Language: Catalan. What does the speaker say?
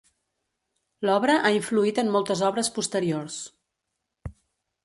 L'obra ha influït en moltes obres posteriors.